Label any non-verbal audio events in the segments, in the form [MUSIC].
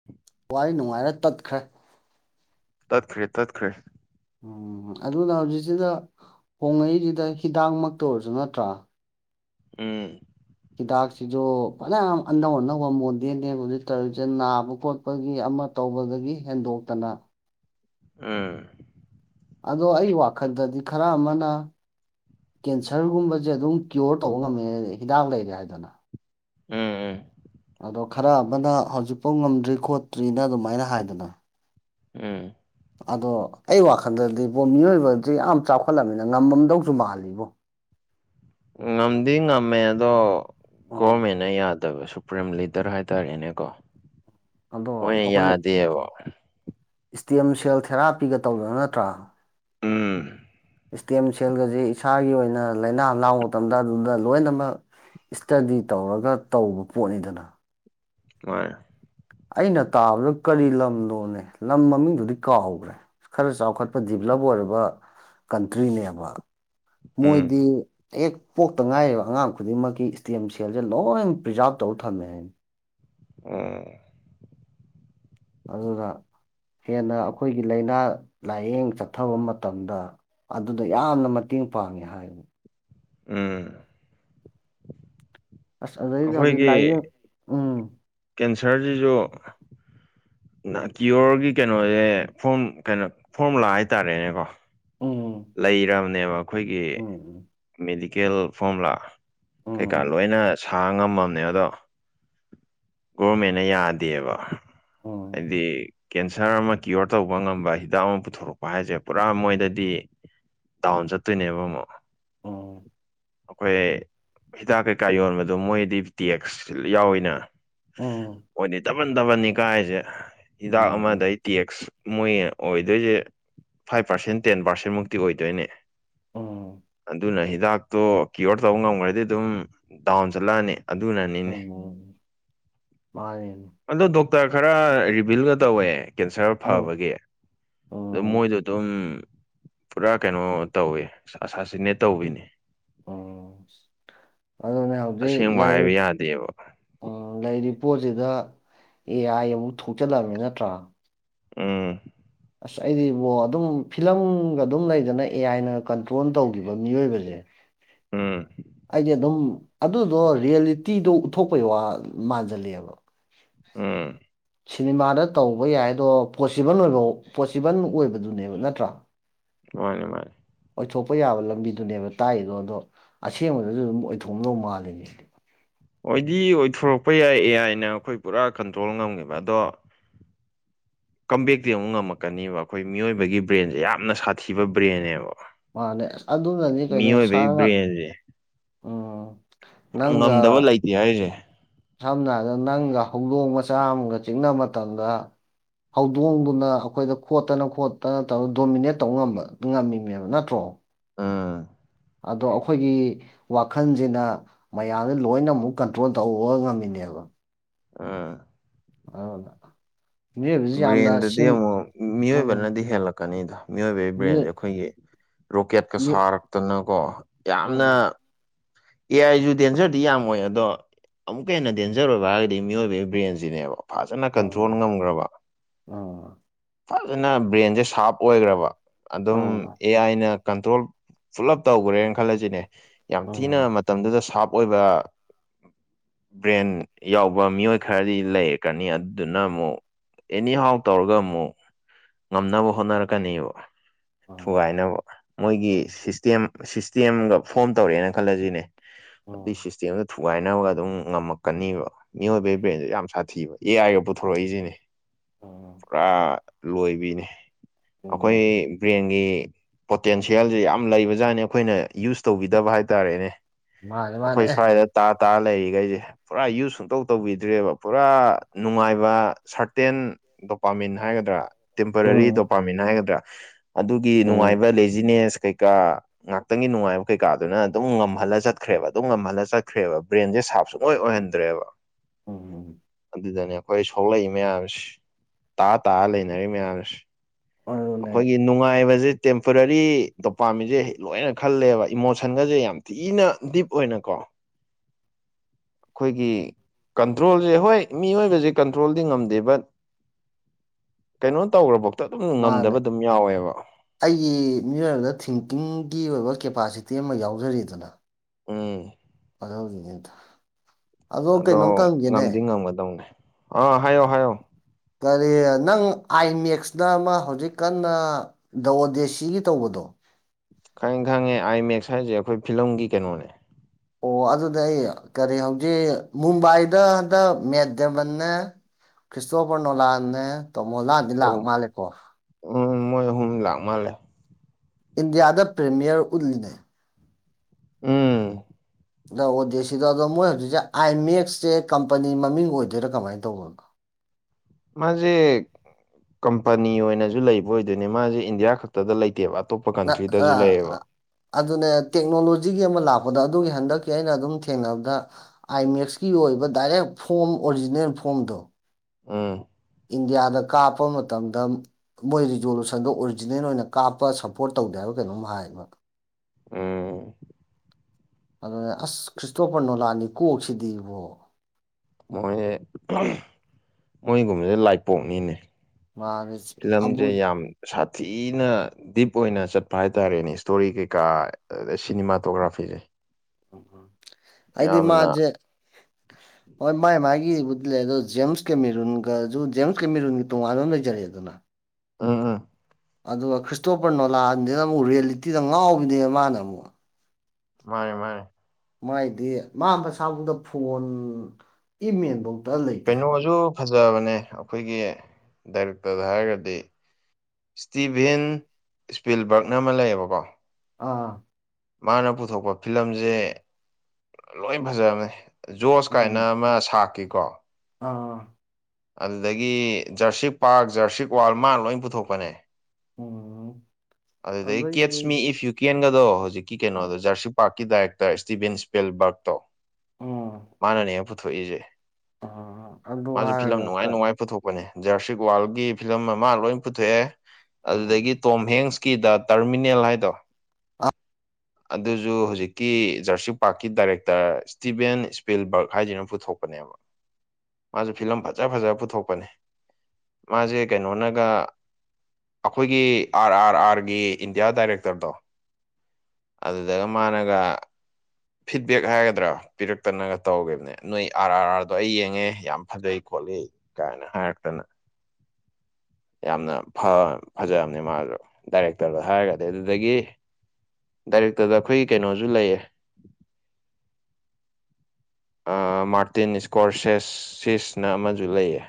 [INAUDIBLE] ꯋꯥꯔꯤ ꯅꯨꯡꯉꯥꯏꯔ ꯇꯠꯈ꯭ꯔꯦ ꯇꯠ ꯀ꯭ꯔꯤꯌꯦꯠ ꯇ ꯀ꯭ꯔꯤꯌꯦꯠ ꯎꯝ ꯑꯗꯨꯅ ꯍꯧꯖꯤꯛꯁꯤꯗ ꯍꯣꯡꯂꯛꯏꯁꯤꯗ ꯍꯤꯗꯥꯛꯃꯛꯇ ꯑꯣꯏꯔꯁꯨ ꯅꯠꯇ꯭ꯔꯥ ꯎꯝ ꯍꯤꯗꯥꯛꯁꯤꯁꯨ ꯐꯅꯌꯥꯝ ꯑꯅꯧ ꯑꯅꯧꯕ ꯃꯣꯗꯦꯅꯦ ꯍꯧꯖꯤꯛ ꯇꯧꯔꯤꯁꯦ ꯅꯥꯕ ꯈꯣꯠ ꯑꯩꯈꯣꯏꯒꯤ ꯑꯃ ꯇꯧꯕꯗꯒꯤ ꯍꯦꯟꯗꯣꯛꯇꯅ [UNINTELLIGIBLE] ꯑꯗꯣ ꯑꯩ ꯋꯥꯈꯜꯗꯗꯤ ꯈꯔ ꯑꯃꯅ ꯀꯦꯟꯁꯔꯒꯨꯝꯕꯁꯦ ꯑꯗꯨꯝ ꯀ꯭ꯌꯣꯔ ꯇꯧꯕ ꯉꯝꯃꯦ ꯍꯤꯗꯥꯛ ꯂꯩꯔꯦ ꯍꯥꯏꯗꯅ ꯎꯝ ꯎꯝ ꯑꯗꯣ ꯈꯔ ꯑꯃꯅ ꯍꯧꯖꯤꯛꯐꯥꯎ ꯉꯝꯗ꯭ꯔꯤ ꯈꯣꯠꯇ꯭ꯔꯤꯅ ꯑꯗꯨꯃꯥꯏꯅ ꯍꯥꯏꯗꯅ ꯎꯝ ꯑꯗꯣ ꯑꯩ ꯋꯥꯈꯜꯗꯗꯤꯕꯣ ꯃꯤꯑꯣꯏꯕꯗꯤ ꯌꯥꯝ ꯆꯥꯎꯈꯠꯂꯝꯃꯤꯅ ꯉꯝꯃꯝꯗꯧꯁꯨ ꯃꯥꯜꯂꯤꯕꯣ ꯉꯝꯗꯤ ꯉꯝꯃꯦ ꯑꯗꯣ ꯎꯝ ꯒꯣꯕꯔꯃꯦꯟꯅ ꯌꯥꯗꯦ ꯕ ꯁꯨꯄ꯭ꯔꯤꯝ ꯂꯤꯗꯔ ꯍꯥꯏꯇꯥꯔꯦꯅꯦꯀꯣ ꯑꯗꯣ ꯃꯣꯏꯅ ꯑꯩꯈꯣꯏꯅ ꯌꯥꯗꯦꯕ ꯏꯁꯇꯦꯝ ꯁꯦꯜ ꯊꯦꯔꯥꯄꯤꯒ ꯇꯧꯕꯅꯣ ꯅꯠꯇ꯭ꯔꯥ ꯎꯝ ꯏꯁꯇꯦꯝ ꯁꯦꯜꯒꯁꯤ ꯏꯁꯥꯒꯤ ꯑꯣꯏꯅ ꯂꯥꯏꯅꯥ ꯂꯅꯥ ꯃꯇꯝꯗ ꯑꯗꯨꯗ ꯂꯣꯏꯅꯃꯛ ꯏꯁꯇꯗꯤ ꯇꯧꯔꯒ ꯇꯧꯕ ꯄꯣꯠꯅꯤꯗꯅ ꯍꯣꯏ ꯑꯩꯅ ꯇꯥꯕꯗ ꯀꯔꯤ ꯂꯝꯅꯣꯅꯦ ꯂꯝ ꯃꯃꯤꯡꯗꯨꯗꯤ ꯀꯥꯎꯈ꯭ꯔꯦ ꯈꯔ ꯆꯥꯎꯈꯠꯄ ꯗꯤꯕꯂꯞ ꯑꯣꯏꯔꯕ ꯀꯟꯇ꯭ꯔꯤꯅꯦꯕ ꯎꯝ ꯃꯣꯏꯗꯤ ꯍꯦꯛ ꯄꯣꯛꯇ ꯉꯥꯏꯔꯤꯕ ꯑꯉꯥꯡ ꯈꯨꯗꯤꯡꯃꯛꯀꯤ ꯏꯁꯇꯦꯝ ꯁꯦꯜꯁꯦ ꯂꯣꯏ ꯄ꯭ꯔꯤꯖꯥꯕ ꯇꯧꯔ ꯊꯝꯃꯦ ꯍꯥꯏꯅꯤ [UNINTELLIGIBLE] ꯑꯗꯨꯅ ꯍꯦꯟꯅ ꯑꯩꯈꯣꯏꯒꯤ ꯂꯥꯏꯅꯥ ꯂꯥꯏꯌꯦꯡ ꯆꯠꯊꯕ ꯃꯇꯝꯗ ꯑꯗꯨꯗ ꯌꯥꯝꯅ ꯃꯇꯦꯡ ꯄꯥꯡꯉꯦ ꯍꯥꯏꯕꯅꯤ ꯎꯝ ꯑꯁ ꯑꯗꯨꯗꯩꯗꯤ ꯍꯧꯖꯤꯛ ꯑꯩꯈꯣꯏꯒꯤ ꯂꯥꯛꯏꯌꯦ ꯎꯝ ꯀꯦꯟꯁꯔꯁꯤꯁꯨ ꯀꯤꯌꯣꯔꯒꯤ ꯀꯩꯅꯣꯁꯦ ꯐꯣꯔ ꯀꯩꯅꯣ ꯐꯣꯔꯃꯨꯂꯥ ꯍꯥꯏꯇꯥꯔꯦꯅꯦꯀꯣ ꯎꯝ ꯂꯩꯔꯕꯅꯦꯕ ꯑꯩꯈꯣꯏꯒꯤ ꯎꯝ ꯃꯦꯗꯤꯀꯦꯜ ꯐꯣꯔꯃꯨꯂꯥ ꯀꯩꯀꯥ ꯎꯝ ꯂꯣꯏꯅ ꯁꯥ ꯉꯝꯃꯝꯅꯦ ꯑꯗꯣ ꯒꯣꯔꯃꯦꯟꯅ ꯌꯥꯗꯦꯕ ꯎꯝ ꯍꯥꯏꯗꯤ ꯀꯦꯟꯁꯔ ꯑꯃ ꯀꯤꯌꯣꯔ ꯇꯧꯕ ꯉꯝꯕ ꯍꯤꯗꯥꯛ ꯑꯃ ꯄꯨꯊꯣꯔꯛꯄ ꯍꯥꯏꯁꯦ ꯄꯨꯔꯥ ꯃꯣꯏꯗꯗꯤ ꯗꯥꯎꯟ ꯆꯠꯇꯣꯏꯅꯦꯕ ꯑꯃ [UNINTELLIGIBLE] ꯑꯩꯈꯣꯏ ꯍꯤꯗꯥꯛ ꯀꯩꯀꯥ ꯌꯣꯟꯕꯗꯣ ꯃꯣꯏꯗꯤ ꯇꯦꯛꯁ ꯌꯥꯎꯏꯅ ꯎꯝ ꯑꯣꯏꯗꯤ ꯇꯥꯕꯟ ꯇꯥꯕꯟꯅꯤ ꯀꯥꯏꯁꯦ ꯍꯤꯗꯥꯛ ꯎꯝ ꯑꯃꯗꯩ ꯇꯦꯛꯁ ꯃꯣꯏ ꯑꯣꯏꯗꯣꯏꯁꯦ ꯐꯥꯏꯚ ꯄꯥꯔꯁꯦꯟ ꯇꯦꯟ ꯄꯥꯔꯁꯦꯟ ꯃꯨꯛꯇꯤ ꯑꯣꯏꯗꯣꯏꯅꯦ ꯎꯝ ꯑꯗꯨꯅ ꯍꯤꯗꯥꯛꯇꯣ ꯀꯤꯌꯣꯔ ꯇꯧꯕ ꯉꯝꯈ꯭ꯔꯗꯤ ꯑꯗꯨꯝ ꯗꯥꯎꯟ ꯆꯠꯂꯛꯑꯅꯤ ꯑꯗꯨꯅꯅꯤ ꯎꯝ ꯃꯥꯅꯤ ꯑꯗꯣ ꯗꯣꯛꯇꯔ ꯈꯔ ꯔꯤꯚꯤꯜꯒ ꯇꯧꯋꯦ ꯀꯦꯟꯁꯔ ꯎꯝ ꯐꯕꯒꯤ ꯑꯗꯨ ꯎꯝ ꯃꯣꯏꯗꯣ ꯑꯗꯨꯝ ꯄꯨꯔꯥ ꯀꯩꯅꯣ ꯇꯧꯋꯦ ꯑꯁꯥꯁꯤꯟꯅ ꯇꯧꯕꯤꯅꯦ ꯑꯣ ꯑꯗꯨꯅꯦ ꯍꯧꯖꯤꯛ ꯑꯁꯦꯡꯕ ꯂꯩ ꯍꯥꯏꯕ ꯌꯥꯗꯦꯕ ꯎꯝ ꯂꯩꯔꯤꯕ ꯄꯣꯠꯁꯤꯗ ꯑꯦ ꯑꯥꯏ ꯑꯃꯨꯛ ꯊꯣꯛꯆꯜꯂꯛꯑꯕꯃꯤ ꯅꯠꯇ꯭ꯔꯥ ꯎꯝ ꯑꯁ ꯑꯩꯗꯤ ꯏꯕꯣ ꯑꯗꯨꯝ ꯐꯤꯂꯝꯒ ꯑꯗꯨꯝ ꯂꯩꯗꯅ ꯑꯦ ꯑꯥꯏꯅ ꯀꯟꯇ꯭ꯔꯣꯜ ꯇꯧꯈꯤꯕ ꯃꯤꯑꯣꯏꯕꯁꯦ ꯎꯝ ꯑꯩꯗꯤ ꯑꯗꯨꯝ ꯑꯗꯨꯗꯣ ꯔꯤꯌꯦꯂꯤꯇꯤꯗꯣ ꯎꯠꯊꯣꯛꯄꯩ ꯋꯥ ꯃꯥꯟꯁꯤꯂꯑꯕ ꯎꯝ ꯁꯤꯅꯦꯃꯥꯗ ꯇꯧꯕ ꯌꯥꯏꯗꯣ ꯄꯣꯁꯤꯕꯟ ꯑꯣꯏꯕ ꯄꯣꯁꯤꯕꯜ ꯑꯣꯏꯕꯗꯨꯅꯦꯕ ꯅꯠꯇ꯭ꯔꯥ ꯃꯥꯅꯦ ꯃꯥꯅꯦ ꯑꯣꯏꯊꯣꯛꯄ ꯌꯥꯕ ꯂꯝꯕꯤꯗꯨꯅꯦꯕ ꯇꯥꯛꯗꯣ ꯑꯗꯣ ꯑꯁꯦꯡꯕꯗꯁꯨ ꯑꯗꯨꯝ ꯑꯣꯏꯊꯣꯛꯅꯧ ꯃꯥꯜꯂꯤꯅꯦ ꯁꯤꯗꯤ ꯑꯣꯏꯗꯤ ꯑꯣꯏꯊꯣꯔꯛꯄ ꯌꯥꯏ ꯑꯦ ꯑꯥꯏꯅ ꯑꯩꯈꯣꯏ ꯄꯨꯔꯥ ꯀꯟꯇ꯭ꯔꯣꯜ ꯉꯝꯃꯦꯕ ꯑꯗꯣ ꯀꯝꯕꯦꯛꯇ ꯑꯃꯨꯛ ꯉꯝꯃꯛꯀꯅꯤꯕ ꯑꯩꯈꯣꯏ ꯃꯤꯑꯣꯏꯕꯒꯤ ꯕ꯭ꯔꯦꯟꯁꯦ ꯌꯥꯝꯅ ꯁꯥꯊꯤꯕ ꯕ꯭ꯔꯦꯟꯅꯦꯕ ꯃꯥꯅꯦ ꯑꯁ ꯑꯗꯨꯅꯅꯤ ꯀꯩꯅꯣ ꯁꯥ ꯃꯤꯑꯣꯏꯕꯒꯤ ꯉ ꯕ꯭ꯔꯦꯟꯁꯦ ꯎꯝ [INAUDIBLE] ꯅꯪꯒ ꯉꯝꯗꯕ ꯂꯩꯇꯦ ꯍꯥꯏꯔꯤꯁꯦ ꯁꯝꯅ ꯍꯥꯏꯔꯕꯗ ꯅꯪꯒ ꯍꯧꯗꯣꯡ ꯃꯆꯥ ꯑꯃꯒ ꯆꯤꯡꯛꯅꯕ ꯃꯇꯝꯗ ꯍꯧꯗꯣꯡꯗꯨꯅ ꯑꯩꯈꯣꯏꯗ ꯈꯣꯠꯇꯅ ꯈꯣꯠꯇꯅ ꯇꯧꯔ ꯗꯣꯃꯤꯅꯦꯠ ꯇꯧꯕ ꯉꯝꯕ ꯉꯝꯃꯤꯅꯦꯕ ꯅꯠꯇ꯭ꯔꯣ ꯑꯥ ꯑꯗꯣ ꯑꯩꯈꯣꯏꯒꯤ ꯋꯥꯈꯜꯁꯤꯅ ꯃꯌꯥꯝꯅ ꯂꯣꯏꯅ ꯑꯃꯨꯛ ꯀꯟꯇ꯭ꯔꯣꯜ ꯇꯧꯕ ꯉꯝꯃꯤꯅꯦꯕ ꯑꯥ ꯍꯥꯎꯗ ꯕ꯭ꯔꯦꯟꯗꯗꯤ ꯑꯃꯨꯛ ꯎꯝ ꯃꯤꯑꯣꯏꯕꯅꯗꯤ ꯍꯦꯜꯂꯛꯀꯅꯤꯗ ꯃꯤꯑꯣꯏꯕꯒꯤ ꯕ꯭ꯔꯦꯟꯁꯦ ꯌꯦ ꯑꯩꯈꯣꯏꯒꯤ ꯔꯣꯀꯦꯠꯀ ꯌꯦ ꯁꯥꯔꯛꯇꯅꯀꯣ ꯌꯥꯝꯅ ꯎꯝ ꯑꯦꯌꯥꯔꯁꯨ ꯗꯦꯟꯁꯔꯗꯤ ꯌꯥꯝ ꯑꯣꯏ ꯑꯗꯣ ꯑꯃꯨꯛꯀ ꯍꯦꯟꯅ ꯗꯦꯟꯖꯔ ꯑꯣꯏꯕ ꯍꯥꯏꯔꯒꯗꯤ ꯃꯤꯑꯣꯏꯕꯒꯤ ꯕ꯭ꯔꯦꯟꯁꯤꯅꯦꯕ ꯐꯖꯅ ꯀꯟꯇ꯭ꯔꯣꯜ ꯎꯝ ꯉꯝꯈ꯭ꯔꯕ ꯎꯝ ꯎꯝ ꯐꯖꯅ ꯕ꯭ꯔꯦꯟꯁꯦ ꯁꯥꯔꯞ ꯑꯣꯏꯈ꯭ꯔꯕ ꯑꯗꯨꯝ ꯎꯝ ꯑꯦ ꯑꯥꯏꯅ ꯀꯟꯇ꯭ꯔꯣꯜ ꯄꯨꯂꯞ ꯇꯧꯈ꯭ꯔꯦꯅ ꯈꯜꯂꯁꯤꯅꯦ ꯌꯥꯝ ꯊꯤꯅ ꯎꯝ ꯃꯇꯝꯗꯨꯗ ꯁꯥꯔꯞ ꯑꯣꯏꯕ ꯕ꯭ꯔꯦꯟ ꯌꯥꯎꯕ ꯃꯤꯑꯣꯏ ꯈꯔꯗꯤ ꯂꯩꯔꯛꯀꯅꯤ ꯑꯗꯨꯅ ꯑꯃꯨꯛ ꯑꯦꯅꯤꯍꯥꯎ ꯇꯧꯔꯒ ꯑꯃꯨꯛ ꯉꯝꯅꯕ ꯍꯣꯠꯅꯔꯛꯀꯅꯦꯕ ꯎꯝ ꯊꯨꯒꯥꯏꯅꯕ ꯃꯣꯏꯒꯤ ꯁꯤꯁꯇꯦꯝ ꯁꯤꯁꯇꯦꯝꯒ ꯐꯣꯝ ꯇꯧꯔꯑꯦꯅ ꯈꯜꯂꯁꯤꯅꯦ ꯑꯗꯨꯏ ꯎꯝ ꯁꯤꯁꯇꯦꯝꯗ ꯊꯨꯒꯥꯏꯅꯕ ꯑꯗꯨꯝ ꯉꯝꯃꯛꯀꯅꯦꯕ ꯃꯤꯑꯣꯏꯕꯒꯤ ꯕ꯭ꯔꯦꯟꯗ ꯌꯥꯝ ꯁꯥꯊꯤꯕ ꯑꯦ ꯑꯥꯏꯒ ꯄꯨꯊꯣꯔꯛꯏꯁꯤꯅꯦ ꯎꯝ ꯄꯨꯔꯥ ꯂꯣꯏꯕꯤꯅꯦ ꯑꯩꯈꯣꯏ ꯒ꯭ꯔꯦꯟꯒꯤ ꯄꯣꯇꯦꯟꯁꯤꯌꯦꯜꯁꯦ ꯌꯥꯝ ꯂꯩꯕ ꯖꯥꯠꯅꯦ ꯑꯩꯈꯣꯏꯅ ꯌꯨꯁ ꯇꯧꯕꯤꯗꯕ ꯍꯥꯏꯇꯥꯔꯦꯅꯦ ꯃꯥꯅꯦ ꯃꯥꯅꯦ ꯑꯩꯈꯣꯏ ꯑꯦ ꯁ꯭ꯋꯥꯏꯗ ꯇꯥ ꯇꯥ ꯂꯩꯔꯤꯈꯩꯁꯦ ꯄꯨꯔꯥ ꯌꯨꯁ ꯁꯨꯡꯇꯧ ꯇꯧꯕꯤꯗ꯭ꯔꯦꯕ ꯄꯨꯔꯥ ꯅꯨꯡꯉꯥꯏꯕ ꯁꯥꯔꯇꯦꯟ ꯗꯣꯄꯥꯃꯤꯟ ꯍꯥꯏꯒꯗ꯭ꯔꯥ ꯇꯦꯝꯄꯔꯔꯤ ꯎꯝ ꯗꯣꯄꯥꯔꯠꯃꯦꯟ ꯍꯥꯏꯒꯗ꯭ꯔꯥ ꯑꯗꯨꯒꯤ ꯎꯝ ꯅꯨꯡꯉꯥꯏꯕ ꯂꯦꯖꯤꯅꯦꯁ ꯀ ꯉꯥꯏꯍꯥꯛꯇꯪꯒꯤ ꯅꯨꯡꯉꯥꯏꯕ ꯀꯩꯀꯥꯗꯨꯅ ꯑꯗꯨꯝ ꯉꯝꯍꯜꯂ ꯆꯠꯈ꯭ꯔꯦꯕ ꯑꯗꯨꯝ ꯉꯝꯍꯜꯂ ꯆꯠꯈ꯭ꯔꯦꯕ ꯕ꯭ꯔꯦꯟꯁꯦ ꯁꯥꯔꯞ ꯁꯨꯡꯂꯣꯏ ꯑꯣꯏꯍꯟꯗ꯭ꯔꯦꯕ [UNINTELLIGIBLE] ꯑꯗꯨꯗꯅꯦ ꯑꯩꯈꯣꯏ ꯁꯣꯛꯂꯛꯏ ꯃꯌꯥꯝꯁꯤ ꯇꯥ ꯇꯥ ꯂꯩꯅꯔꯤ ꯃꯌꯥꯝꯁꯤ ꯑꯗꯨꯅꯦ ꯑꯩꯈꯣꯏꯒꯤ ꯅꯨꯡꯉꯥꯏꯕꯁꯦ ꯇꯦꯝꯄꯔꯔꯤꯗꯣ ꯄꯥꯝꯃꯤꯁꯦ ꯂꯣꯏꯅ ꯈꯜꯂꯦꯕ ꯏꯃꯣꯁꯟꯒꯁꯦ ꯌꯥꯝ ꯊꯤꯅ ꯗꯤꯞ ꯑꯣꯏꯅꯀꯣ [INAUDIBLE] ꯑꯩꯈꯣꯏꯒꯤ ꯀꯟꯇ꯭ꯔꯣꯜꯁꯦ ꯍꯣꯏ ꯃꯤꯑꯣꯏꯕꯁꯦ ꯀꯟꯇ꯭ꯔꯣꯜꯗꯤ ꯉꯝꯗꯦ ꯕꯠ ꯀꯩꯅꯣ ꯇꯧꯈ꯭ꯔꯐꯧꯗ ꯑꯗꯨꯝ ꯃꯥꯅꯦ ꯉꯝꯗꯕ ꯑꯗꯨꯝ ꯌꯥꯎꯋꯦꯕ ꯑꯩꯒꯤ ꯃꯤꯑꯣꯏꯕꯗ ꯊꯤꯡꯀꯤꯡꯒꯤ ꯑꯣꯏꯕ ꯀꯦꯄꯥꯁꯤꯇꯤ ꯑꯃ ꯌꯥꯎꯖꯔꯤꯗꯨꯅ ꯎꯝ ꯑꯗꯥ [UNINTELLIGIBLE] ꯑꯗꯣ ꯉꯝꯗꯤ ꯉꯝꯒꯗꯧꯅꯦ ꯑꯥ ꯍꯥꯏꯌꯣ ꯍꯥꯏꯌꯣ ꯀꯔꯤ ꯅꯪ ꯑꯥꯏ ꯃꯦꯛꯁꯅ ꯑꯃ ꯍꯧꯖꯤꯛ ꯀꯟꯅ ꯗꯋ ꯗꯦꯁꯤꯒꯤ ꯇꯧꯕꯗꯣ ꯈꯪ ꯈꯪꯉꯦ ꯑꯥꯏ ꯃꯦꯛꯁ ꯍꯥꯏꯁꯦ ꯑꯩꯈꯣꯏ ꯐꯤꯂꯝꯒꯤ ꯀꯩꯅꯣꯅꯦ ꯑꯣ ꯑꯗꯨꯗꯤ ꯑꯩ ꯀꯔꯤ ꯍꯧꯖꯤꯛ ꯃꯨꯝꯕꯥꯏꯗ ꯍꯟꯗꯛ ꯃꯦꯠ ꯗꯦꯕꯟꯅꯦ ꯀ꯭ꯔꯤꯁꯣ ꯄꯅꯣ ꯂꯑ ꯃ ꯂꯥꯅꯤ ꯂꯥ ꯑꯗꯨꯝ ꯃꯥꯂꯀꯣ ꯎꯝ ꯃꯣꯏ ꯑꯍꯨꯝ ꯂꯥꯛ ꯃꯥꯜꯂꯦ ꯏꯟꯗꯤꯌꯥꯗ ꯄ꯭ꯔꯤꯃꯤꯌꯔ ꯎꯠꯂꯤꯅꯦ ꯎꯝ ꯅ ꯑꯣꯗꯦ ꯁꯤꯗ ꯑꯗꯣ ꯃꯣꯏ ꯍꯧꯖꯤꯛꯁꯦ ꯑꯥꯏ ꯃꯦꯛꯁꯦ ꯀꯝꯄꯅꯤ ꯃꯃꯤꯡ ꯑꯣꯏꯗꯣꯏꯔꯥ ꯀꯃꯥꯏꯅ ꯇꯧꯕꯅꯣ ꯃꯥꯁꯦ ꯀꯝꯄꯅꯤ ꯑꯣꯏꯅꯁꯨ ꯂꯩꯕ ꯑꯣꯏꯗꯣꯏꯅꯦ ꯃꯥꯁꯦ ꯏꯟꯗꯤꯌꯥ ꯈꯛꯇꯗ ꯂꯩꯇꯦꯕ ꯑꯇꯣꯞꯄ ꯅ ꯑ ꯀꯟꯇ꯭ꯔꯤꯗꯁꯨ ꯂꯩꯌꯦꯕ ꯑꯗꯨꯅꯦ ꯇꯦꯛꯅꯣꯂꯣꯖꯤꯒꯤ ꯑꯃ ꯂꯥꯛꯄꯗ ꯑꯗꯨꯒꯤ ꯍꯟꯗꯛꯀꯤ ꯑꯩꯅ ꯑꯗꯨꯝ ꯊꯦꯡꯅꯕꯗ ꯑꯥꯏ ꯃꯦꯛꯁꯀꯤ ꯑꯣꯏꯕ ꯗꯥꯏꯔꯦꯛ ꯐꯣꯝ ꯑꯣꯔꯤꯖꯤꯅꯦꯜ ꯐꯣꯝꯗꯣ ꯎꯝ ꯏꯟꯗꯤꯌꯥꯗ ꯀꯥꯞꯄ ꯃꯇꯝꯗ ꯃꯣꯏ ꯔꯤꯖꯣꯂꯨꯁꯟꯗꯣ ꯑꯣꯔꯤꯖꯤꯅꯦꯜ ꯑꯣꯏꯅ ꯀꯥꯞꯄ ꯁꯞꯄꯣꯔꯠ ꯇꯧꯗꯦ ꯍꯥꯏꯕ ꯀꯩꯅꯣꯝ ꯍꯥꯏ ꯎꯝ ꯑꯗꯨꯅꯦ ꯑꯁ ꯈ꯭ꯔꯤꯁꯇꯣꯄꯔꯅꯣꯂꯥꯅꯤ ꯀꯣꯛꯁꯤꯗꯤ ꯏꯕꯣ ꯃꯣꯏ ꯃꯣꯏꯒꯨꯝꯕꯁꯦ ꯂꯥꯏꯄꯣꯛꯅꯤꯅꯦ ꯃꯥꯁꯦ ꯐꯤꯂꯝꯁꯦ ꯑꯃꯨꯠ ꯌꯥꯝ ꯁꯥꯊꯤꯅ ꯗꯤꯞ ꯑꯣꯏꯅ ꯆꯠꯄ ꯍꯥꯏꯇꯥꯔꯦꯅꯦ ꯏꯁꯇꯣꯔꯤ ꯀꯩꯀꯥ ꯑꯗꯩ ꯁꯤꯅꯤꯃꯥꯇꯣꯒ꯭ꯔꯥꯐꯤꯁꯦ ꯑꯩꯗꯤ ꯌꯥꯝꯅ ꯃꯥꯖꯦ ꯍꯣꯏ ꯃꯥꯏ ꯃꯥꯏꯒꯤꯕꯨꯗꯤ ꯂꯩ ꯑꯗꯣ ꯖꯦꯝꯁ ꯀꯦꯃꯤꯔꯨꯟꯒꯁꯨꯨ ꯖꯦꯝꯁ ꯀꯦꯃꯤꯔꯨꯟ ꯇꯣꯉꯥꯟꯕꯥ ꯑꯃ ꯂꯩꯖꯔꯛꯑꯦꯗꯅ ꯎꯝ ꯎꯝ ꯑꯗꯨꯒ ꯈ꯭ꯔꯤꯁꯇꯣꯄꯔꯅꯣꯂꯥꯟꯁꯤꯅ ꯑꯃꯨꯛ ꯔꯤꯌꯦꯂꯤꯇꯤꯗ ꯉꯥꯎꯕꯤꯅꯦꯕ ꯃꯥꯅ ꯑꯃꯨꯛ ꯃꯥꯅꯦ ꯃꯥꯅꯦ ꯃꯥꯏꯗꯤ ꯃꯥ ꯃꯁꯥꯕꯨꯗ ꯐꯣꯟ ꯏꯃꯦꯜꯕꯧ ꯀꯩꯅꯣꯁꯨ ꯐꯖꯕꯅꯦ ꯑꯩꯈꯣꯏꯒꯤ ꯗꯥꯏꯔꯦꯛꯇꯔꯗ ꯍꯥꯏꯔꯒꯗꯤ ꯏꯁ꯭ꯇꯤꯚꯦꯟ ꯏꯁꯄꯤꯜꯕꯔꯛꯅ ꯑꯃ ꯂꯩꯌꯦꯕꯀꯣ ꯑꯥ ꯃꯥꯅ ꯄꯨꯊꯣꯛꯄ ꯐꯤꯂꯝꯁꯦ ꯂꯣꯏ ꯐꯖꯕꯅꯦ ꯖꯣꯁ ꯀꯥꯏꯅ ꯎꯝ ꯑꯃ ꯁꯥꯛꯀꯤꯀꯣ ꯑꯥ ꯑꯗꯨꯗꯒꯤ ꯖꯔꯁꯤꯛ ꯄꯥꯔ ꯖꯔꯁꯤꯛ ꯋꯥꯜ ꯃꯥ ꯂꯣꯏ ꯄꯨꯊꯣꯛꯄꯅꯦ ꯎꯝ ꯑꯗꯨꯗꯩ ꯑꯗꯩꯗꯤ ꯀꯦꯠꯁ ꯃꯤ ꯏꯐ ꯌꯨ ꯀꯦꯟꯒꯗꯣ ꯍꯧꯖꯤꯛꯀꯤ ꯑꯥ ꯀꯩꯅꯣꯗꯣ ꯖꯔꯁꯤ ꯄꯥꯔꯀꯤꯗꯥꯏꯔꯦꯛ ꯏꯁꯇꯤꯕꯦꯟ ꯁꯄꯦꯜ ꯕꯔꯛꯇꯣ ꯃꯥꯅꯅꯦꯕꯥ ꯄꯨꯊꯣꯛꯏꯁꯦ ꯑ ꯃꯥꯁꯨ [UNINTELLIGIBLE] ꯐꯤꯂꯝ ꯅꯨꯡꯉꯥꯏ ꯅꯨꯡꯉꯥꯏ ꯄꯨꯊꯣꯛꯄꯅꯦ ꯖꯨꯔꯥꯁꯤꯛ ꯋꯥꯔꯜꯒꯤ ꯐꯤꯂꯝ ꯑꯃ ꯃꯥ ꯂꯣꯏ ꯄꯨꯊꯣꯛꯑꯦ ꯎꯝ ꯑꯗꯨꯗꯒꯤ ꯇꯣꯝ ꯍꯦꯡꯁꯀꯤꯗ ꯇꯔꯃꯤꯅꯦꯜ ꯍꯥꯏꯗꯣ ꯑ ꯑꯗꯨꯁꯨ ꯍꯧꯨꯖꯤꯛꯀꯤ ꯖꯔꯁꯤꯛ ꯄꯥꯛꯀꯤ ꯗꯥꯏꯔꯦꯛꯇꯔ ꯏꯁꯇꯤꯕꯦꯟ ꯏꯁꯄꯤꯜꯕꯔꯛ ꯍꯥꯏꯁꯤꯅ ꯄꯨꯊꯣꯛꯄꯅꯦ ꯃꯥꯖꯨ ꯐꯤꯂꯝ ꯐꯖ ꯐꯖꯕ ꯄꯨꯊꯣꯛꯄꯅꯦ ꯃꯥꯖꯦ ꯀꯩꯅꯣꯅꯒ ꯑꯩꯈꯣꯏꯒꯤ ꯑꯥꯔ ꯑꯥꯔ ꯑꯥꯔꯒꯤ ꯏꯟꯗꯤꯌꯥ ꯗꯥꯏꯔꯦꯛꯇꯔꯗꯣ ꯑꯗꯨꯗꯒ ꯃꯥꯅꯒ ꯐꯤꯠꯕꯦꯛ ꯍꯥꯏꯒꯗ꯭ꯔꯥ ꯄꯤꯔꯛꯇꯅꯒ ꯇꯧꯈꯤꯝꯅꯦ ꯅꯣꯏ ꯑꯥꯔ ꯑꯥꯔ ꯑꯥꯔꯗꯣ ꯑꯩ ꯌꯦꯡꯉꯦ ꯌꯥꯝ ꯐꯖꯩ ꯈꯣꯠꯂꯤ ꯀꯥꯏꯅ ꯍꯥꯏꯔꯛꯇꯅ ꯌꯥꯝꯅ ꯐꯖꯕꯅꯦ ꯃꯥꯁꯨ ꯗꯥꯏꯔꯦꯛꯇꯔꯒꯥ ꯍꯥꯏꯔꯒꯗꯤ ꯑꯗꯨꯗꯒꯤ ꯗꯥꯏꯔꯦꯛꯇꯔꯗ ꯑꯩꯈꯣꯏꯒꯤ ꯀꯩꯅꯣꯁꯨ ꯂꯩꯌꯦ ꯑꯥ ꯃꯥꯔꯇꯤꯟ ꯏꯁꯀꯣꯔꯁꯦꯁ ꯁꯤꯁꯅ ꯑꯃꯁꯨ ꯂꯩꯌꯦ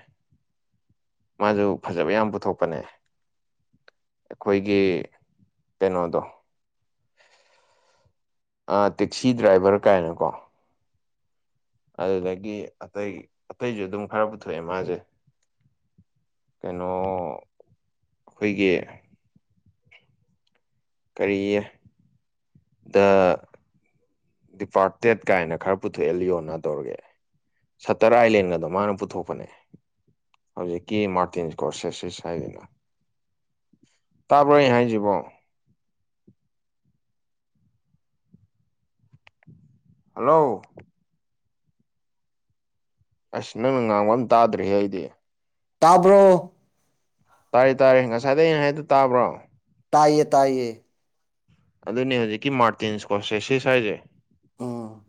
ꯃꯥꯖꯨ ꯐꯖꯕ ꯌꯥꯝ ꯄꯨꯊꯣꯛꯄꯅꯦ ꯑꯩꯈꯣꯏꯒꯤ ꯀꯩꯅꯣꯗꯣ ꯑꯥ ꯇꯤꯛꯁꯤ ꯗ꯭ꯔꯥꯏꯚꯔ ꯀꯥꯏꯅꯀꯣ ꯑꯗꯨꯗꯒꯤ ꯑꯇꯩ ꯑꯇꯩꯖꯨ ꯑꯗꯨꯝ ꯈꯔ ꯄꯨꯊꯣꯛꯑꯦ ꯃꯥꯖꯦ ꯀꯦꯅꯣ ꯑꯈꯣꯏꯒꯤ ꯀꯔꯤꯌꯦ ꯗ ꯗꯤꯄꯥꯔꯇꯦꯠ ꯀꯥꯏꯅ ꯈꯔ ꯄꯨꯊꯣꯛꯑꯦ ꯂꯤꯌꯣꯔꯅꯥꯗꯣꯔꯒꯤ ꯁꯠꯇꯔ ꯑꯥꯏꯂꯦꯟꯒꯗꯣ ꯃꯥꯅ ꯄꯨꯊꯣꯛꯄꯅꯦ ꯍꯧꯖꯤꯛꯀꯤ ꯃꯥꯔꯇꯤꯟ ꯀꯣꯔꯁꯦꯁ ꯁꯤꯁ ꯍꯥꯏꯗꯨꯅ ꯇꯥꯕ꯭ꯔꯣ ꯑꯩ ꯍꯥꯏꯖꯤꯕꯣ ꯍꯜꯂꯣ ꯑꯩꯁ ꯅꯪꯅ ꯉꯥꯡꯕ ꯑꯝ ꯇꯥꯗ꯭ꯔꯦꯍꯦ ꯑꯩꯗꯤ ꯇꯥꯕ꯭ꯔꯣ ꯇꯥꯔꯦ ꯇꯥꯔꯦ ꯉꯁꯥꯏꯗꯩ ꯑꯩꯅ ꯍꯥꯏꯗꯣ ꯇꯥꯕ꯭ꯔꯣ ꯇꯥꯏꯌꯦ ꯇꯥꯏꯌꯦ ꯑꯗꯨꯅꯦ ꯍꯧꯖꯤꯛꯀꯤ ꯃꯥꯔꯇꯤꯟ ꯁ꯭ꯀꯣꯔꯁꯦꯁꯤꯁ ꯍꯥꯏꯁꯦ ꯎꯝ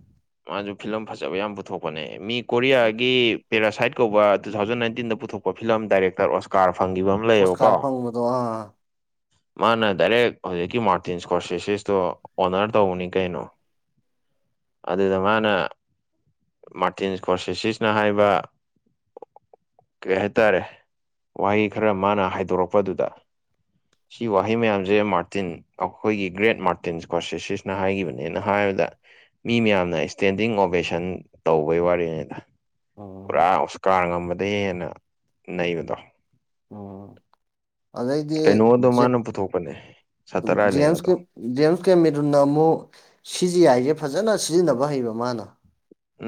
ꯃꯥꯖꯨ ꯐꯤꯂꯝ ꯐꯖꯕ ꯌꯥꯝ ꯄꯨꯊꯣꯛꯄꯅꯦ ꯃꯤ ꯀꯣꯔꯤꯌꯥꯒꯤ ꯄꯦꯔꯥꯁꯥꯏꯠ ꯀꯧꯕ ꯇꯨ ꯊꯧꯖꯟ ꯅꯥꯏꯟꯇꯤꯟꯗ ꯄꯨꯊꯣꯛꯄ ꯐꯤꯂꯝ ꯗꯥꯏꯔꯦꯛꯇꯔ ꯑꯣꯁꯀꯥꯔ ꯐꯪꯒꯤꯕ ꯑꯝ ꯂꯩꯌꯦꯕꯀꯣ ꯑꯣꯁꯀꯥꯔ ꯐꯪꯕꯗꯣ ꯑꯥ ꯃꯥꯅ ꯗꯥꯏꯔꯦꯛ ꯍꯧꯖꯤꯛꯀꯤ ꯃꯥꯔ ꯇꯤꯟꯁꯀꯣꯔꯁꯦꯁꯤꯁꯇꯣ ꯑꯣꯅꯔ ꯇꯧꯕꯅꯤ ꯀꯩꯅꯣ ꯑꯗꯨꯗ ꯃꯥꯅ ꯃꯥꯔꯇꯤꯟ ꯏꯁꯀꯣꯔꯁꯦꯁꯤꯁꯅ ꯍꯥꯏꯕ ꯀꯩ ꯍꯥꯏꯇꯥꯔꯦ ꯋꯥꯍꯩ ꯈꯔ ꯃꯥꯅ ꯍꯥꯏꯗꯣꯔꯛꯄ ꯑꯗꯨꯗ ꯁꯤ ꯋꯥꯍꯩ ꯃꯌꯥꯝꯖꯦ ꯃꯥꯔꯇꯤꯟ ꯑꯈꯣꯏꯒꯤ ꯒ꯭ꯔꯦꯠ ꯃꯥꯔꯇꯤꯟ ꯏꯁꯀꯣꯔꯁꯦꯁꯤꯁꯅ ꯍꯥꯏꯒꯤꯕꯅꯦꯅ ꯍꯥꯏꯕꯗ ꯃꯤ ꯃꯌꯥꯝꯅ ꯏꯁꯇꯦꯟꯗꯤꯡ ꯑꯣꯕꯦꯁꯟ ꯇꯧꯕꯩ ꯋꯥꯔꯤꯅꯤꯗ ꯄꯨꯔꯥ ꯎꯝ ꯑꯣꯁꯀꯥꯔ ꯉꯝꯃꯗꯩ ꯍꯦꯟꯅ ꯅꯩꯕꯗꯣ ꯎꯝ ꯑꯗꯩꯗꯤ ꯀꯩꯅꯣꯗꯣ ꯖꯦ ꯃꯥꯅ ꯄꯨꯊꯣꯛꯄꯅꯦ ꯁꯇꯔ ꯖꯦꯝꯁ ꯑꯥꯏꯂꯦꯟꯒꯗꯣ ꯀ꯭ꯂꯤꯞ ꯖꯦꯝꯁ ꯀꯦꯃꯦꯔꯨꯟꯅ ꯑꯃꯨꯛ ꯁꯤ ꯖꯤ ꯑꯥꯏꯖꯦ ꯐꯖꯅ ꯁꯤꯖꯤꯟꯅꯕ ꯍꯩꯕ ꯃꯥꯅ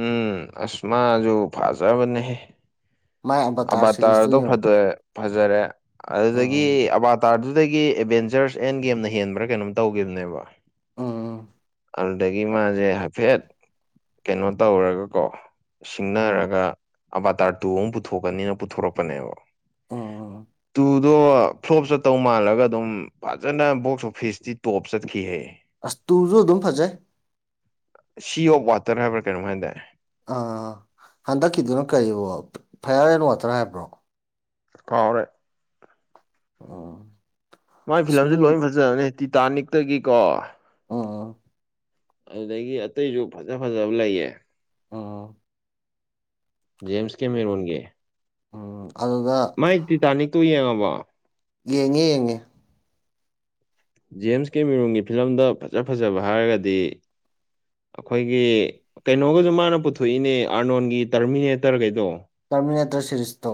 ꯎꯝ ꯑꯁ ꯃꯥꯖꯨ ꯐꯥꯖꯕꯅꯦꯍꯦ ꯃꯥꯏ ꯑꯕꯇꯥꯔ ꯁꯤꯔꯤꯁꯇꯨ ꯑꯕꯥꯇꯥꯔꯗꯣ ꯌꯦꯡꯉꯣ ꯐꯗꯣꯛꯑꯦ ꯐꯖꯔꯦ ꯑꯗꯨꯗꯒꯤ ꯎꯝ ꯑꯕꯥꯠ ꯇꯥꯔꯗꯨꯗꯒꯤ ꯑꯦꯗꯚꯦꯟꯆꯔꯁ ꯑꯦꯟ ꯒꯦꯝꯅ ꯍꯦꯟꯕ꯭ꯔꯥ ꯀꯩꯅꯣꯝ ꯇꯧꯒꯤꯕꯅꯦꯕ ꯎꯝ ꯎꯝ ꯑꯗꯨꯗꯒꯤ ꯃꯥꯖꯦ ꯍꯥꯏꯐꯦꯠ ꯀꯩꯅꯣ ꯇꯧꯔꯒꯀꯣ ꯎꯝ ꯁꯤꯡꯅꯔꯒ ꯑꯕꯥꯇꯥꯔ ꯇꯨ ꯑꯃꯨꯛ ꯄꯨꯊꯣꯛꯀꯅꯤꯅ ꯄꯨꯊꯣꯔꯛꯄꯅꯦꯕ ꯑꯥ ꯇꯨꯗꯣ ꯐ꯭ꯂꯣꯞ ꯆꯠꯇꯧ ꯃꯥꯜꯂꯒ ꯑꯗꯨꯝ ꯐꯖꯅ ꯕꯣꯛꯁ ꯑꯣꯐꯤꯁꯇꯤ ꯇꯣꯞ ꯆꯠꯈꯤꯍꯦ ꯑꯁ ꯇꯨꯁꯨ ꯑꯗꯨꯝ ꯐꯖꯩ ꯁꯤ ꯑꯣꯐ ꯋꯥꯇꯔ ꯍꯥꯏꯕ꯭ꯔꯥ ꯀꯩꯅꯣꯝ ꯍꯥꯏꯗꯥꯏ ꯑ ꯍꯟꯗꯛꯀꯤꯗꯨꯅ ꯀꯔꯤꯕꯣ ꯐꯩꯌꯥꯔ ꯑꯦꯟ ꯋꯥꯇꯔ ꯍꯥꯏꯕ꯭ꯔꯣ ꯀꯥꯎꯔꯦ ꯑꯥ ꯃꯥꯥꯏ ꯐꯤꯂꯝꯁꯤ ꯂꯣꯏ ꯐꯖꯕꯅꯤ ꯇꯤꯇꯥꯅꯤꯛꯇꯒꯤꯀꯣ ꯑꯥ ꯑꯗꯨꯗꯒꯤ ꯑꯇꯩꯁꯨ ꯐꯖ ꯐꯖꯕ ꯂꯩꯌꯦ ꯑꯥ ꯖꯦꯝꯁ ꯀꯦꯃꯦꯔꯣꯟꯒꯦ ꯎꯝ ꯑꯗꯨꯗ ꯃꯥꯏ ꯇꯤꯇꯥꯅꯤꯛ ꯇꯨ ꯌꯦꯡꯉꯕꯣ ꯌꯦꯡꯉꯦ ꯌꯦꯡꯉꯦ ꯖꯦꯝꯁ ꯀꯦꯃꯦꯔꯟꯒꯤ ꯐꯤꯂꯝꯗ ꯐꯖ ꯐꯖꯕ ꯍꯥꯏꯔꯒꯗꯤ ꯑꯩꯈꯣꯏꯒꯤ ꯀꯩꯅꯣꯒꯁꯨ ꯃꯥꯅ ꯄꯨꯊꯣꯛꯏꯅꯦ ꯑꯥꯔꯅꯣꯟꯒꯤ ꯇꯔꯃꯤꯅꯦꯇꯔꯒꯩꯗꯣ ꯇꯔꯃꯤꯅꯦꯇꯔ ꯁꯦꯔꯤꯁꯇꯣ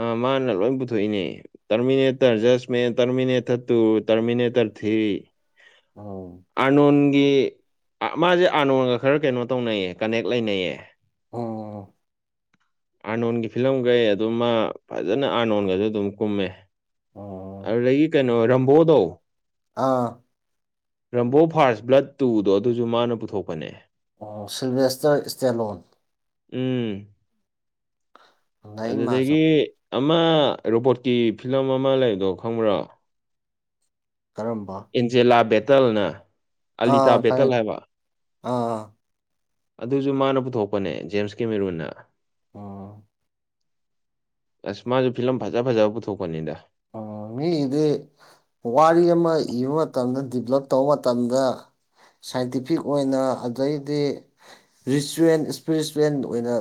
ꯑꯥ ꯃꯥꯅ ꯂꯣꯏ ꯄꯨꯊꯣꯛꯏꯅꯦ ꯇꯔꯃꯤꯅꯦꯇꯔ ꯖꯂ ꯃꯦ ꯇꯔꯃꯤꯅꯦꯇ ꯇꯨ ꯇꯔꯃꯤꯅꯦꯇꯔ ꯊ꯭ꯔꯤ ꯑꯥꯎ ꯑꯥꯔꯅꯣꯟꯒꯤ ꯃꯥꯁꯦ ꯑꯥꯔꯅꯣꯟꯒ ꯈꯔ ꯀꯩꯅꯣ ꯇꯧꯅꯩꯌꯦ ꯀꯅꯦꯛ ꯂꯩꯅꯩꯌꯦ ꯑꯣ ꯑꯣ ꯑꯥꯔꯅꯣꯟꯒꯤ ꯐꯤꯂꯝꯈꯩ ꯑꯗꯨꯝꯃ ꯐꯖꯅ ꯑꯥꯔꯅꯣꯟꯒꯁꯨ ꯑꯗꯨꯝ ꯀꯨꯝꯃꯦ ꯑꯣ ꯑꯗꯨꯗꯒꯤ ꯀꯩꯅꯣ ꯔꯝꯕꯣꯗꯣ ꯑꯥ ꯔꯝꯕꯣ ꯐꯥꯔꯁ ꯕ꯭ꯂꯠ ꯇꯨꯗꯣ ꯑꯗꯨꯁꯨ ꯃꯥꯅ ꯄꯨꯊꯣꯛꯄꯅꯦ ꯁꯤꯜꯚꯦꯁꯇꯔ ꯏ꯭ꯁꯇꯦꯂꯣꯟ ꯎꯝ ꯅꯩ ꯃꯥꯁꯨ ꯑꯗꯨꯗꯒꯤ ꯑꯃ ꯔꯣꯕꯣꯠꯀꯤ ꯐꯤꯂꯝ ꯑꯃ ꯂꯩꯕꯗꯣ ꯈꯪꯕ꯭ꯔꯣ ꯀꯔꯝꯕ ꯑꯦꯟꯖꯦꯂꯥ ꯕꯦꯇꯜꯅ ꯑꯥ ꯑꯂꯤꯇꯥ ꯕꯦꯇꯜ ꯈꯪꯑꯦ ꯍꯥꯏꯕ ꯑꯥ ꯑꯗꯨꯁꯨ ꯃꯥꯅ ꯄꯨꯊꯣꯛꯄꯅꯦ ꯖꯦꯝꯁꯀꯦꯃꯦꯔꯨꯟꯅ ꯎꯝ ꯑꯁ ꯃꯥꯁꯨ ꯐꯤꯂꯝ ꯐꯖ ꯐꯖꯕ ꯄꯨꯊꯣꯛꯄꯅꯤꯗ ꯑꯥ ꯃꯤꯒꯤ ꯗꯤ ꯋꯥꯔꯤ ꯑꯃ ꯏꯕ ꯃꯇꯝꯗ ꯗꯤꯕ꯭ꯂꯞ ꯇꯧꯕ ꯃꯇꯝꯗ ꯁꯥꯏꯟꯇꯤꯐꯤꯛ ꯑꯣꯏꯅ ꯑꯗꯩꯗꯤ ꯔꯤꯆꯨꯋꯦꯜ ꯏꯁꯄꯤꯔꯤꯆꯨꯋꯦꯜ ꯑꯣꯏꯅ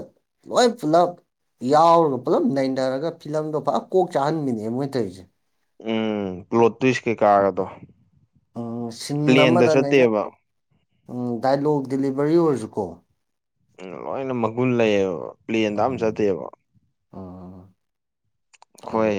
ꯂꯣꯏ ꯄꯨꯂꯞ ꯌꯥꯎꯔꯒ ꯄꯨꯜꯂꯞ ꯅꯩꯅꯔꯒ ꯐꯤꯂꯝꯗꯣ ꯐꯖ ꯀꯣꯛ ꯆꯥꯛꯍꯟꯕꯤꯅꯦ ꯃꯣꯏꯅ ꯇꯧꯔꯤꯁꯦ ꯎꯝ ꯄ꯭ꯂꯣꯠ ꯇꯨꯏꯁ ꯀꯩꯀꯥꯒꯗꯣ ꯎꯝ ꯁꯤꯟ ꯄ꯭ꯂꯦꯟꯗ ꯑꯃꯗ ꯅꯩꯅ ꯆꯠꯇꯦꯕ ꯎꯝ ꯗꯥꯏꯂꯣꯛ ꯗꯤꯂꯤꯚꯔꯤ ꯑꯣꯏꯔꯁꯨꯀꯣ ꯎꯝ ꯂꯣꯏꯅ ꯃꯒꯨꯟ ꯂꯩꯌꯦꯕ ꯄ꯭ꯂꯦꯟꯗ ꯑꯃ ꯎꯝ ꯆꯠꯇꯦꯕ ꯎꯝ ꯑꯗꯨ ꯈꫭꯏ